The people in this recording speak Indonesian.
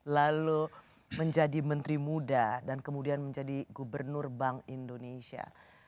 lalu menjadi menteri muda dan kemudian menjadi gubernur bank indonesia